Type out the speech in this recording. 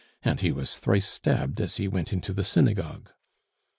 And he was thrice stabbed as he went into the synagogue."